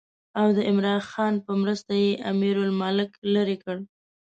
او د عمرا خان په مرسته یې امیرالملک لرې کړ.